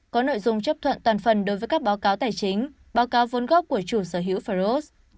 có nội dung chấp thuận toàn phần đối với các báo cáo tài chính báo cáo vốn góp của chủ sở hữu faros